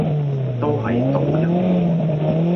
都係賭一鋪